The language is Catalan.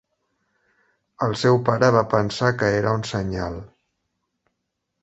El seu pare va pensar que era un senyal.